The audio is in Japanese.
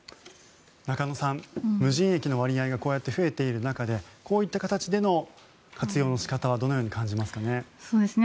中野さん、無人駅の割合がこうやって増えている中でこういった形での活用の形はどのように感じますかね。